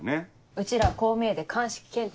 うちらこう見えて鑑識検定